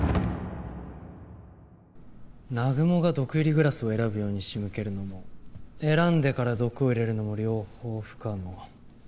南雲が毒入りグラスを選ぶように仕向けるのも選んでから毒を入れるのも両方不可能。